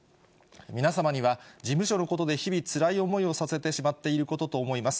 皆様には、事務所のことで日々つらい思いをさせてしまっていることと思います。